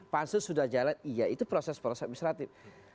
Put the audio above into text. pansu sudah jalan iya itu proses administratif